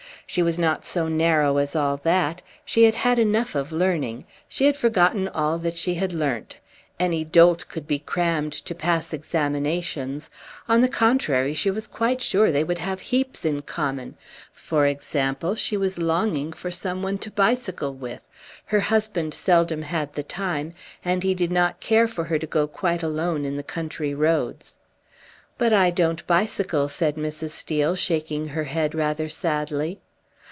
She was not so narrow as all that; she had had enough of learning; she had forgotten all that she had learnt; any dolt could be crammed to pass examinations. On the contrary, she was quite sure they would have heaps in common; for example, she was longing for some one to bicycle with; her husband seldom had the time, and he did not care for her to go quite alone in the country roads. "But I don't bicycle," said Mrs. Steel, shaking her head rather sadly.